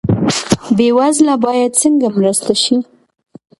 بې وزله باید څنګه مرسته شي؟